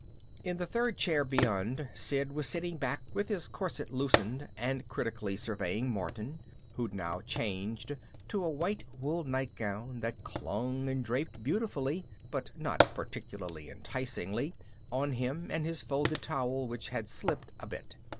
In the third chair beyond, Sid was sitting back with his corset loosened and critically surveying Martin, who'd now changed to a white wool nightgown that clung and draped beautifully, but not particularly enticingly, on him and his folded towel, which had slipped a bit.